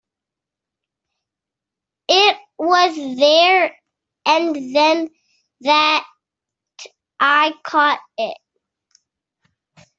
It was there-and-then that I caught it.